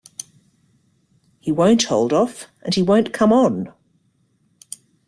He won't hold off, and he won't come on.